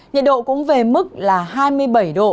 nhiệt độ cũng về mức là hai mươi bảy độ